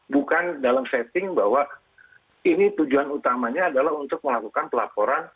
bukan dalam setting bahwa ini tujuan utamanya adalah untuk melakukan pelaporan